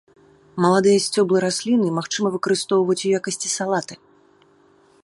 Маладыя сцёблы расліны магчыма выкарыстоўваць у якасці салаты.